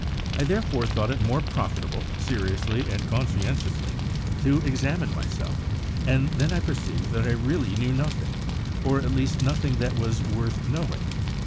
"I therefore thought it more profitable, seriously and conscientiously, to examine myself; and then I perceived that I really knew nothing, or, at least, nothing that was worth knowing.